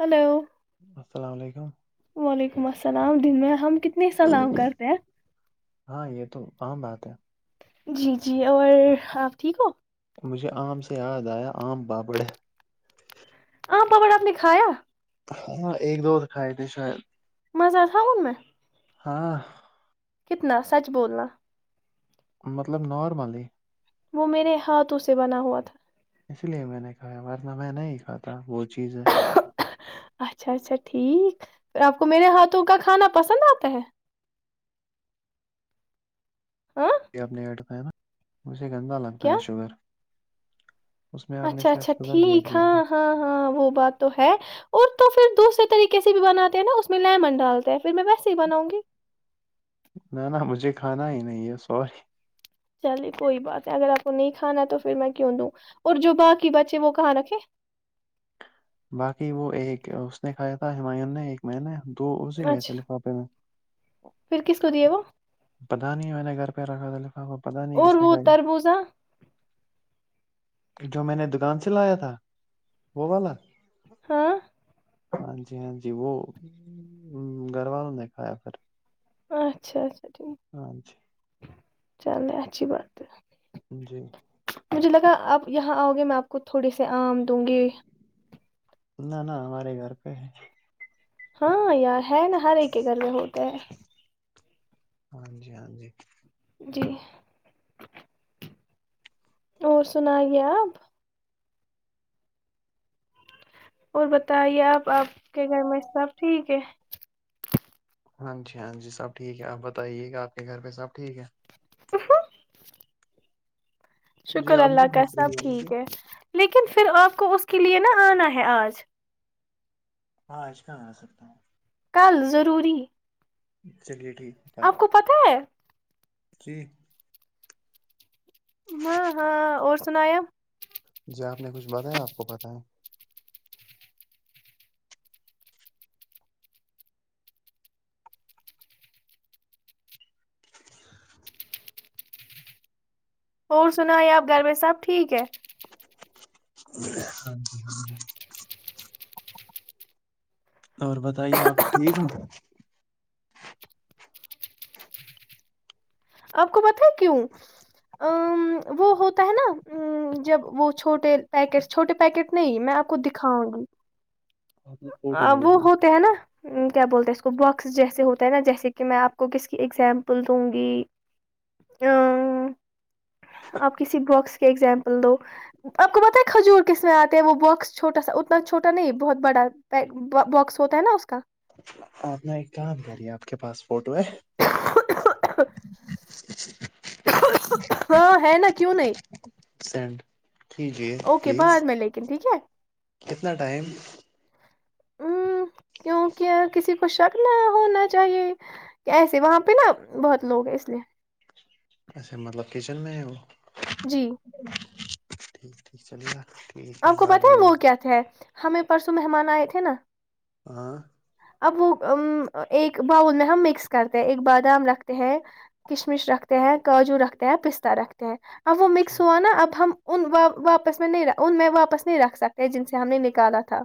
hello السلام علیکم وعلیکم السلام دن میں ہم کتنی سلام کرتے ہیں ہاں یہ تو عام بات ہے جی جی اور اپ ٹھیک ہو مجھے ام سے یاد ایا ام بابڑے ہے ااں پا بڑا اپ نے کھایا ہاں ایک دوز کھائے تھے شاید مزہ تھا مھ میں ہاں کتنا سچ بولنا مطلب نارملی وہ میرے ہاتھوں سے بنا ہوا تھا اس لیے میں نے کہا ہے ورنہ میں نہیں کھتا وہ چیز اچھا اچھا ٹھیک پ اپ کو میرے ہاتھوں کا کھانا پسند اتا ہے [inaudible] اپنے نیٹ پہنا مجھے گندا لگتا کیا ہے شوگر اس میں آپ نے اچھا اچھا شاید شوگر بھی ایڈ ٹھیک کیا تھا ہاں ہاں ہاں وہ بات تو ہے اور تو پھر دوسرے طریقے سے بھی بناتے ہیں نا اس میں لیمن ڈالتے ہیں پھر میں ویسے ہی بناوں گی نہ نہ مجھے کھانا ہی نہیں ہے سوری چلے کوئی بات نہیں اگر آپ کو نہیں کھانا تو پھر میں کیوں دوں اور جو باقی بچے وہ کہاں رکھے باقی وہ ایک اس نے کھایا تھا ہمایوں نے ایک میں نے دو اسی میں تھے اچھا لفافے میں پھر کس کو دیے وہ پتہ نہیں میں نے گھر پے رکھا تھا لفافہ پتہ نہیں اور کس نے وہ کھایا تربوزہ جو میں نے دکان سے لایا تھا وہ والا ہاں ہاں جی ہاں جی وہ گھر والوں نے کھایا پھر اچھا اچھا ٹھیک ہاں جی چلے اچھی بات ہے جی مجھے لگا آپ یہاں آؤ گے میں آپ کو تھوڑے سے آم دوں گی نہ نہ ہمارے گھر پے ہے ہاں یار ہے نا ہر ایک کے گھر کے ہوتے ہیں ہاں جی ہاں جی جی اور سنایے آپ اور بتائیے آپ آپ کے گھر میں سب ٹھیک ہے ہاں جی ہاں جی سب ٹھیک ہے آپ بتائیے گا آپ کے گھر پے سب ٹھیک ہے جی شکر آپ اللہ کیوں کا پھنس سب رہی مجھے ٹھیک ہے لیکن پھر آپ کو اس کے لیے نا آنا ہے آج ہاں کہا آسکتا ہوں کل ضروری ہے چلیے ٹھیک کل آپ کو پتہ ہے جی ہاں ہاں اور سناے آپ جی آپ نے کچھ بتایا آپ کو پتہ ہے اور سنائیے آپ گھر میں سب ٹھیک ہے ہاں جی ہاں جی اور بتائیے آپ ٹھیک ہو آپ کو پتہ ہے کیوں آمم وہ ہوتا ہے نا جب وہ چھوٹے پیکٹ چھوٹے پیکٹ نہیں میں آپ کو دیکھاؤں گی آپ نے فوٹو وہ بھیجی ہوتے ہیں نا کیا بولتے ہیں اس کو باکس جیسے ہوتا ہے نا جیسے کہ میں آپ کو اس کی اگزامپل دوں گی آ آپ کسی باکس کے اگزامپل دو آپ کو پتہ ہے کھجور کس میں آتے ہے وہ باکس چھوٹا سا اتنا چھوٹا نہیں بہت بڑا با باکس ہوتا ہے نا اس کا آپ نے ایک کام کریں ہے آپ کے پاس فوٹو ہے ہاں ہے نا کیوں نہیں سینڈ کیجے اوکے پلیز بعد میں لیکن ٹھیک ہے کتنا ٹائم آمم کیونکی یہاں کسی کو شک نہ ہونا چاہیے کیسے وہاں پے نا بہت لوگ ہیں اس لیے کسے مطلب کچن میں ہوں جی ٹھیک ٹھیک چلے گا ٹھیک آپ کو بعد پتہ میں ہے وہ بھیج کیا تھے ہمیں پرسوں مہمان آئے تھے نا ہاں اب وہ امم ایک باؤل میں ہم مکس کرتے ہیں ایک بادام رکھتے ہیں کشمش رکھتے ہیں کاجو رکھتے ہیں پستتا رکھتے ہیں اب وہ مکس ہوا نا اب ہم ان و واپس میں نہیں رہا ان میں واپس نہیں رکھ سکتے جن سے ہم نے نکالا تھا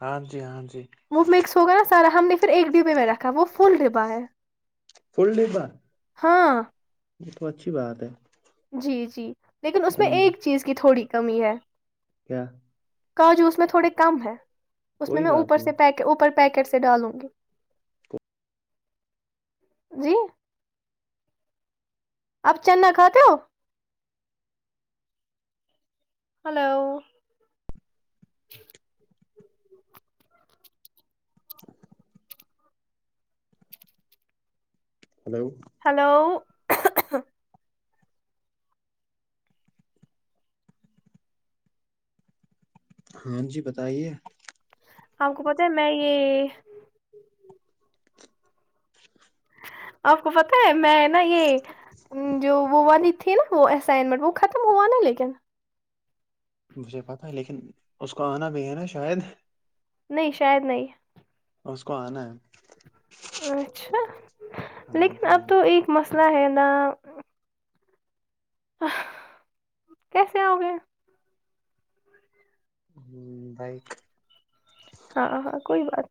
ہاں جی ہاں جی وہ مکس ہو گیا نا سارا ہم نے پھر ایک ڈبے میں رکھا وہ فل ڈبا ہے فل ڈبا ہاں یہ تو اچھی بات ہے جی جی لیکن اس میں ہاں جی ایک چیز کی تھوڑی کمی ہے کیا کاجو اس میں تھوڑے کم ہے اس میں کوئی میں بات اوپر نہیں سے پیک اوپر پیکٹ سے ڈالوں گی جی آپ چنا کھاتے ہو ہلو ہلو ہلو ہاں جی بتائیے آ کو پتہ ہے میں یہ آپ کو پت ہے میں نا یہ جو وہ والی تھی نا وہ اسائنمنٹ وہ ختم ہوا نا لیکن مجھے پتاہ ہے لیکن اس کو آنا بھی ہے نا شاید نہیں شاید نہیں اور اس کو آنا ہے اچھا ہاں لیکن جی اب ہاں تو ایک مسئلہ ہے نا ہ کیسے آؤ گے ہوں بائک ہاں ہاں کوئی بات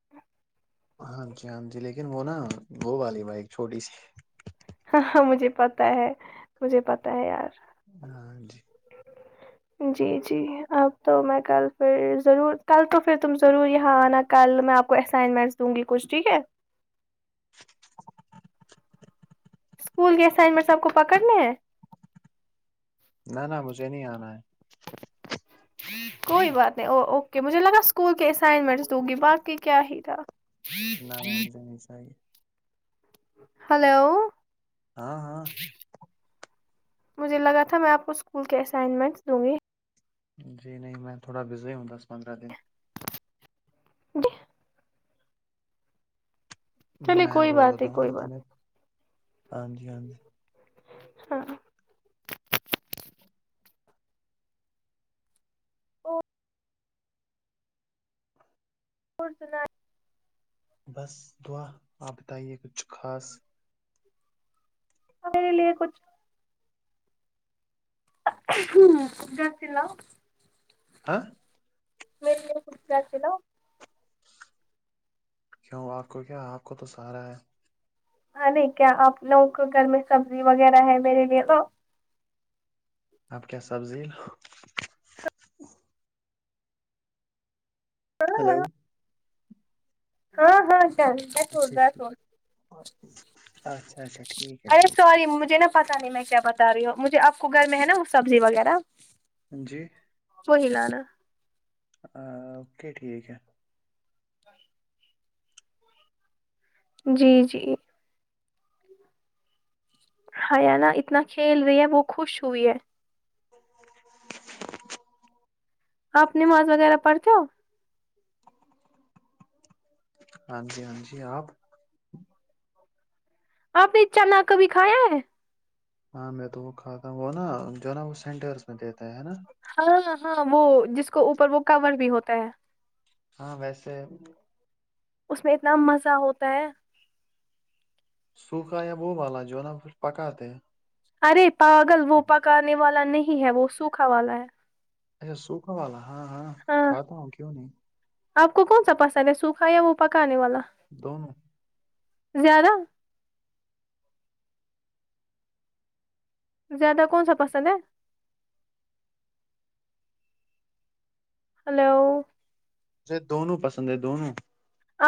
ہاں جی ہاں جی لیکن وہ نا وہ والی بائیک چھوٹی سی ہاںاں مجھے پتا ہے مجھے پتا ہے یار ہاں جی جی جی اب تو میں کل پھر ضرور کل تو پھر تم ضرور یہاں آنا کل میں آپ کو اسائنمنٹس دوں گی کچھ ٹھیک ہے اسکول کی اسائنمنٹس اپکو کو پکڑنے ہیں نہ نہ مجھے نہیں آنا ہے کوئی بات نہیں او اوکے مجھے لگا اسکول کے اسائنمنٹس دوں گی باقی کیا ہی تھا نا وہ مجھے نی چاہیے ہلو ہاں ہاں مجھے لگا تھا میں آپ کو اسکول کے اسائنمنٹس دوں گی جی نہیں میں تھوڑا بزی ہوں دس پندرہ دن جی چلیے میں کوئی بول بات رہا نہیں ہوں کوئی بات ہاں جی ہاں جی ہاں اور سناے بس دعا آپ بتائیے کچھ خاص میرے لیے کچھ ہ جا چلاؤ آاں [unintelligible] چلاؤ کیوں آپ کو کیا آپ کو تو سارا ہے ہ نہیں کیا آپ لوگوں کو گھر میں سبزی وغیرہ ہے میرے لیے تو آپ کیا سبزی کرا ہے ہلو نا ہاں ہاں اچھا ٹھیک، اچھا اچھا ٹھیک ہے ارے ٹھیک سوری مجھے نا پتہ نہیں میں کیا بتا رہی ہوں مجھے آپ کو گھر میں ہے نا سبزی وغیرہ جی وہی لانا ا اوکے ٹھیک ہے جی جی حیا نہ اتنا کھیل رہی ہے وہ خوش ہوئی ہے آپ نماز وغیرہ پڑھتے ہو ہاں جی ہاں جی آپ آپ نے چنا کبھی کایا ہے ہاں میں تو وہ کھاتا تھا وہ نا جو نا وہ سینٹرس میں دیتا ہے نا ہاںاں ہاں وہ جس کو اوپر وہ کور بھی ہوتا ہے ہاں ویسے اس میں اتنا مزہ ہوتا ہے سوکھا یا وہ والا جو ہے نا پھر پکاتے ارے پاگل وہ پکانے والا نہیں ہے وہ سوکھا والا ہے اچھا سوکھا والا ہاں ہاں کھاتا ہوں کیوں نہیں آپ کو کون سا پسند ہے سوکھا یا وہ پکانے والا دونوں زیادہ زیادہ کون سا پسند ہے ہیلو مجھے دونوں پسند ہے دونوں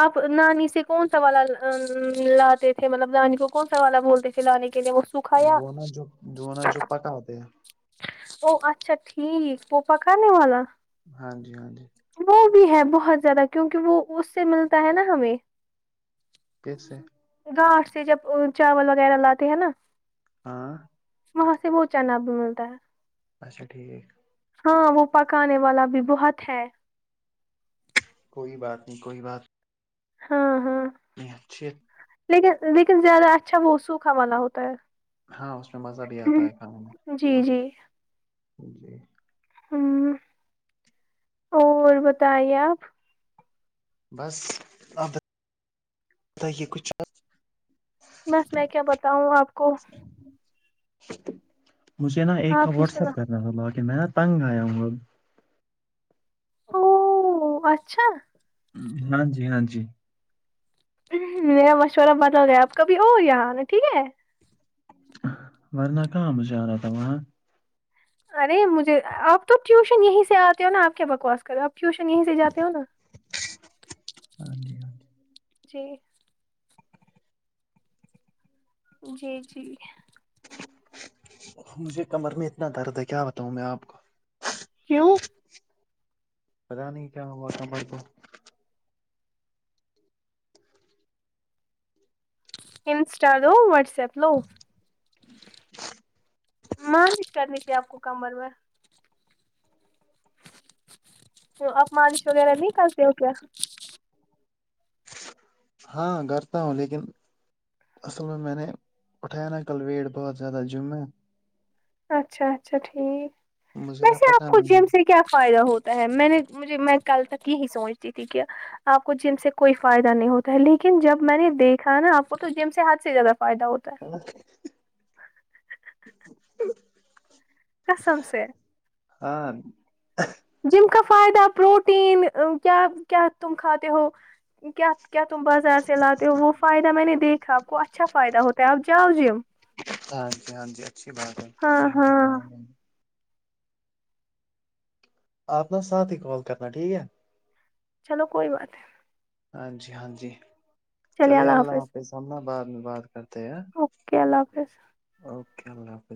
آپ نانی سے کون سا والا لاتے تھے مطلب نانی کو کون سا والا بولتے تھے لانے کے لیے وہ سکھایا وہ نا جو وہ نا جو پکا ہوتے ہیں او اچھا ٹھیک وہ پاکنے والا ہاں جی ہاں جی وہ بھی ہے بہت زیادہ کیونکہ وہ اس سے ملتا ہے نا ہمیں کس سے گاٹ سے جب چاول وغیرہ لاتے ہیں نا ہاں وہاں سے وہ چنا بھی ملتا ہے اچھا ٹھیک ہاں وہ پکانے والا بھی بہت ہے کوئی بات نہیں کوئی بات ہاں ہاں [unintelligible] لیکن لیکن زیادہ اچھا وہ سوکھا والا ہوتا ہے ہاں اس میں مزہ بھی آتا ہے کھانے میں جی جی جی ہوں اور بتائیے آپ بس آپ بتائیں کچھ بس میں کیا بتاؤں آپ کو مجھے نا ایک کا آپ ہی واٹس سنا ایپ کرنا تھا لا کے میں نا تنگ آیا ہوں اب او اچھا ہاں جی ہاں جی میرا مشورہ بتا ہو گیا ہے اپ کو بھی ہو یہاں انا ٹھیک ہے ورنہ کہا مجھے انا تھا وہاں ارے مجھے آپ تو ٹیوشن یہیں سے اتے ہو نا اپ کے بکواس کر رہے ہو آپ ٹیوشن یہیں سے جاتے ہو نا ہاں جی ہاں جی جی جی جی مجھے کمر میں اتنا درد ہے کیا بتاوں میں آپ کو کیوں پتا نہیں کیا ہوا تھا کمر کو انسٹا دو واٹس ایپ سپلو مالش کرنی تھی اپ کو کمر میں آپ مالش وغیرہ نہیں کرتے ہو کیا ہاں کرتا ہوں لیکن اصل میں میں نے اٹھایا نا کل ویٹ بہت زیادہ جیم میں اچھا اچھا ٹھیک مجھے نہ ویسے آپ پتا کو نہیں جیم سے کیا فائدہ ہوتا ہے میں نے مجھے میں کل تک یہی سوچتی تھی کہ آپ کو جم سے کوئی فائدہ نہیں ہوتا ہے لیکن جب میں نے دیکھا نا آپ کو تو جیم سے ہاتھ سے زیادہ فائدہ ہوتا ہے ہاں قسم سے ہاں جیم کا فائدہ پروٹین کیا کیا تم کھاتے ہو کیا کیا تم بازار سے لاتے ہو وہ فائدہ میں نے دیکھا اپ کو اچھا فائدہ ہوتا ہے آپ جاو جیم ہاں جی ہاں جی اچھی بات ہے ہاں جیم کو ہاں جائیں گے آپ نا ساتھ ہی کال کرنا ٹھیک ہے چلو کوئی بات نہیں ہاں جی ہاں جی چلے اللہ حافظ اب نا بعد میں بات کرتے ہیں اوکے اللہ حافظ ہاں اوکے اللہ حافظ